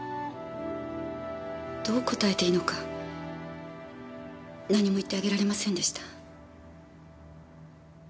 どう答えていいのか何も言ってあげられませんでした。